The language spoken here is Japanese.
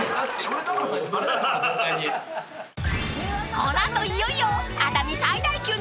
［この後いよいよ］